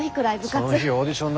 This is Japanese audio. その日オーディションだろ？